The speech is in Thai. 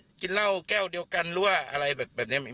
เพราะฉะนั้นส่วนมากพนักงานด้านบริการเขามันเรามันถ้าเราใส่แม็กซ์มันดูเหมือน